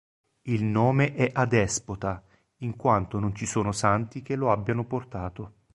Il nome è adespota, in quanto non ci sono santi che lo abbiano portato.